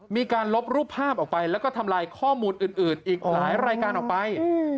มีการลบรูปภาพออกไปแล้วก็ทำลายข้อมูลอื่นอีกหลายรายการออกไป